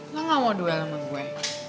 lo gak mau duel sama gue